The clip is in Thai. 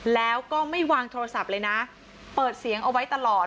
แล้วก็ไม่วางโทรศัพท์เลยนะเปิดเสียงเอาไว้ตลอด